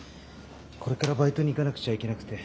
これからバイトに行かなくちゃいけなくて。